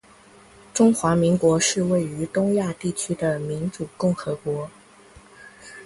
中华民国是位于东亚地区的民主共和国